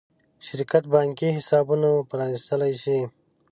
شرکت بانکي حسابونه پرانېستلی شي.